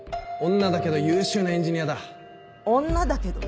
女だけど優秀なエンジニアだ「女だけど」